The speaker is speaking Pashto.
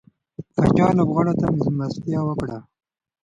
پاچا لوبغاړو ته ملستيا وکړه.